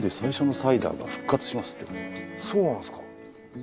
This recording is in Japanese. そうなんすか？